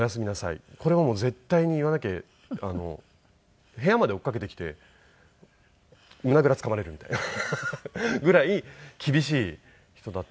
これは絶対に言わなきゃ部屋まで追っかけてきて胸ぐらつかまれるみたいな。ぐらい厳しい人だったし。